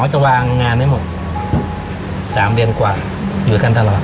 จะวางงานให้หมด๓เดือนกว่าอยู่กันตลอด